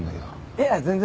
いや全然。